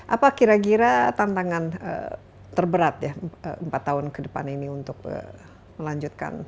apa kira kira tantangan terberat ya empat tahun ke depan ini untuk melanjutkan